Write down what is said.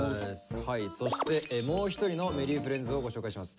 そしてもう一人のＭｅｒｒｙｆｒｉｅｎｄｓをご紹介します。